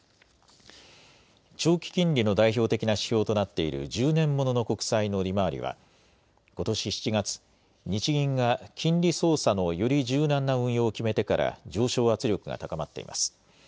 長期金利の代表的な指標となっている１０年ものの国債の利回りはことし７月、日銀が金利操作のより柔軟な運用を決めてから上昇圧力が高まっています。